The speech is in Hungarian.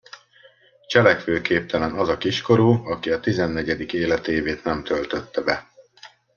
Cselekvőképtelen az a kiskorú, aki a tizennegyedik életévét nem töltötte be.